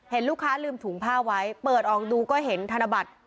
เห็นลูกค้าลืมถุงผ้าไว้เปิดออกดูก็เห็นธนบัตร